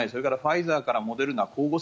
それからファイザーからモデルナ